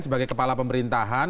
sebagai kepala pemerintahan